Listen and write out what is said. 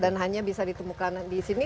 dan hanya bisa ditemukan di sini